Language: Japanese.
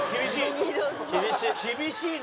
厳しい。